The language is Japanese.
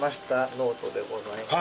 ノートでございます。